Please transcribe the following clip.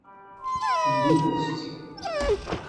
Ndin-as-tt.